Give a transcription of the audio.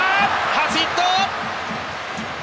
初ヒット！